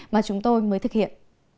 mà chúng tôi mới thực hiện